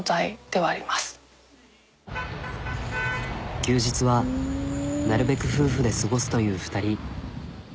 休日はなるべく夫婦で過ごすという２人。